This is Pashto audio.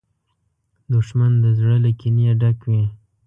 دښمن د زړه له کینې نه ډک وي